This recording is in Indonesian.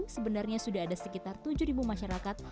sebenarnya sudah ada sekitar tujuh masyarakat